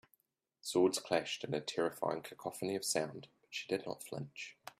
Swords clashed in a terrifying cacophony of sound but she did not flinch.